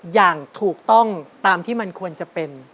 อย่างถูกต้องตามที่มันควรจะเป็น